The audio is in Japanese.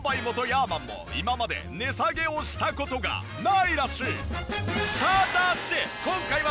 ヤーマンも今まで値下げをした事がないらしい。